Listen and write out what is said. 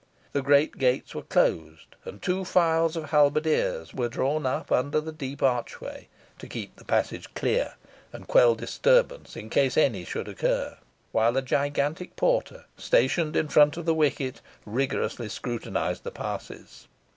The great gates were closed, and two files of halberdiers were drawn up under the deep archway, to keep the passage clear, and quell disturbance in case any should occur; while a gigantic porter, stationed in front of the wicket, rigorously scrutinised the passes.